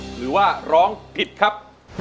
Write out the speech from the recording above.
หรือว่าร้องผิดครับ